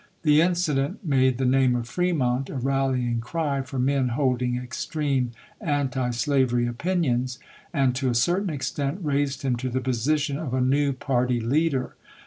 The incident made the name of Fremont a rallying cry for men holding extreme antislavery opinions, and to a certain extent raised him to the position of a new party leader.